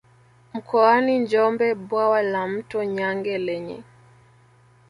mkoani Njombe Bwawa la Mto Nyange lenye